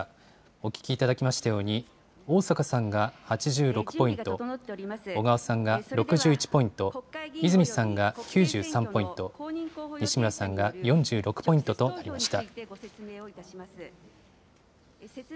お聞きいただきましたように、逢坂さんが８６ポイント、小川さんが６１ポイント、泉さんが９３ポイント、西村さんが４６ポイントとなりました。